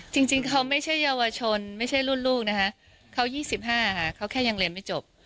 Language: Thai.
จริงเขาไม่ใช่เยาวชนไม่ใช่รุ่นลูกนะคะเขา๒๕ค่ะเขาแค่ยังเรียนไม่จบ